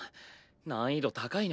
難易度高いな。